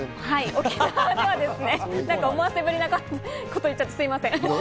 思わせぶりなことを言っちゃってすみません。